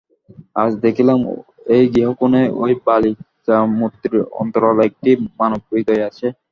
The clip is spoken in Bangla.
আজ দেখিলাম, এই গৃহকোণে ঐ বালিকামূর্তির অন্তরালে একটি মানবহৃদয় আছে।